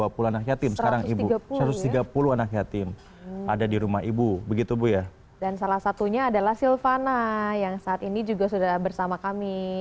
pantai aswanya yang saat ini juga sudah bersama kami